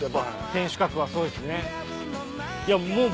天守閣はそうですね。